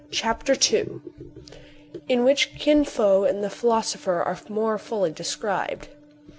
CHAPTER IL IN WHICH KIN FO AND THE PHILOSOPHER ARE MORE FULLY DESCRIBED.